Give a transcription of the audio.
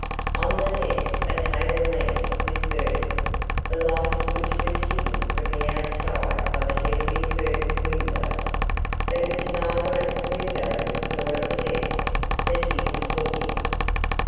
On the desk a table lamp was burning, the light of which was hidden from the outside by the heavily curtained windows, but it was neither at the window nor at the desk that he was looking.